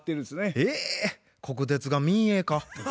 えっ国鉄が民営化？